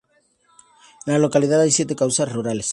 En la localidad hay siete casas rurales.